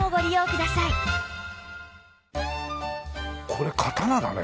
これ刀だね。